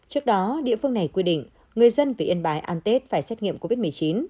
trước đó địa phương này quy định người dân về yên bái ăn tết phải xét nghiệm covid một mươi chín